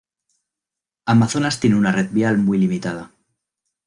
Amazonas tiene una red vial muy limitada.